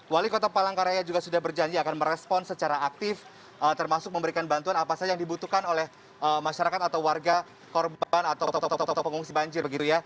wali kota palangkaraya juga sudah berjanji akan merespon secara aktif termasuk memberikan bantuan apa saja yang dibutuhkan oleh masyarakat atau warga korban atau pengungsi banjir begitu ya